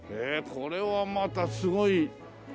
これはまたすごい。